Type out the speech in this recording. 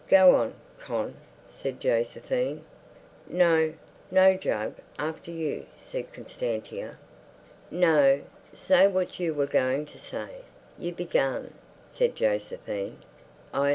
"Go on, Con," said Josephine. "No, no, Jug; after you," said Constantia. "No, say what you were going to say. You began," said Josephine. "I...